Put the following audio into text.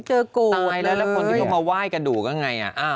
ตายแล้วแล้วคนที่ต้องมาไหว้กระดูกก็ไงอ่ะ